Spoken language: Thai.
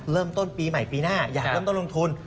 เริ่มต้นปีใหม่ปีหน้าอยากเริ่มต้นลงทุน